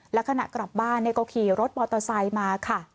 และขณะกลับบ้านก็ขี่รถมอเตอร์ไซค์มาค่ะ